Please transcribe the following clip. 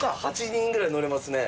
８人ぐらい乗れますね。